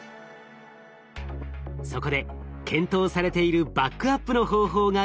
そこで検討されているバックアップの方法がこちら。